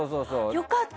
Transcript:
良かった！